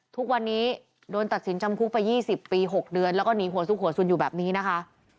ทุกวันนี้โดนตัดสินจำคุกไป๒๐ปี๖เดือนแล้วก็หนีหัวซุกหัวสุนอยู่แบบนี้นะคะ